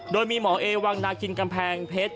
โดยมีหายอะไรก็จะอาจออกให้พี่คุณพูดได้ว่า